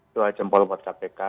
dua jempol buat kpk